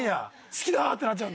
「好きだ！」ってなっちゃう。